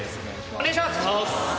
お願いします！